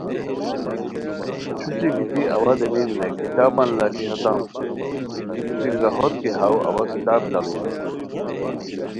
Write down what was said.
چھوچی گیتی وا دیمیم رے کتابان لاکھی ہاتام تو پینگاہوت کی ہاؤ اوا کتاب لاڑیم